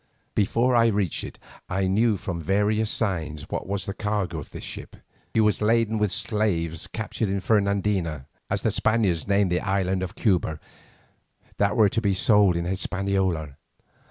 Before I reached it I knew from various signs what was the cargo of this ship. She was laden with slaves captured in Fernandina, as the Spaniards name the island of Cuba, that were to be sold in Hispaniola.